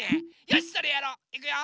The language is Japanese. よしそれやろう！いくよ！